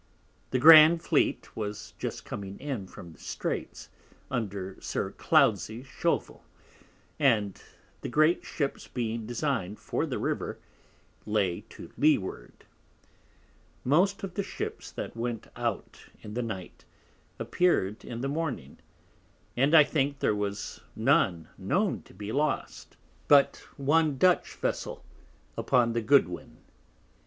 the Grand Fleet was just come in from the Streights, under Sir Cloudsly Shovel; and the Great Ships being design'd for the River, lay to Leeward: Most of the Ships that went out in the Night appear'd in the Morning; and I think there was none known to be lost, but one Dutch Vessel upon the Goodwin.